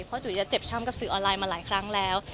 เพราะจุ๋ยจะเจ็บช้ำกับสื่อออนไลน์มาหลายครั้งแล้ว